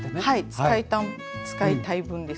使いたい分ですねはい。